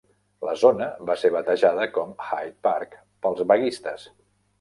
La zona va ser batejada com "Hyde Park" pels vaguistes.